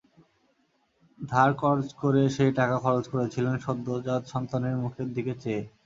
ধার-কর্জ করে সেই টাকা খরচ করেছিলেন সদ্যোজাত সন্তানের মুখের দিকে চেয়ে।